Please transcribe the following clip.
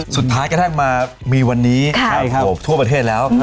กระทั่งมามีวันนี้ทั่วประเทศแล้ว